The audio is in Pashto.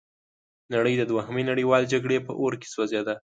نړۍ د دوهمې نړیوالې جګړې په اور کې سوځیده.